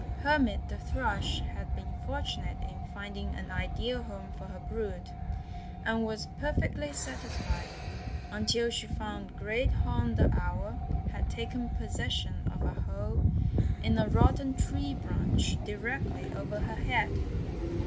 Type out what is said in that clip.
Hermit the Thrush had been fortunate in finding an ideal home for her brood, and was perfectly satisfied until she found Great Horn the Owl had taken possession of a hole in a rotten tree branch directly over her head.